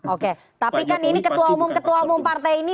oke tapi kan ini ketua umum ketua umum partai ini